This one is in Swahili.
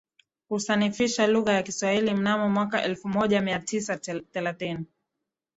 Kusanifisha lugha ya kiswahili mnamo mwaka elfumoja miatisa thelathini